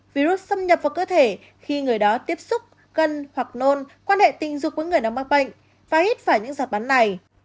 virus xâm nhập vào cơ thể khi người đó tiếp xúc cân hoặc nôn quan hệ tình dục với người đang mắc bệnh và hít phải những giọt bắn này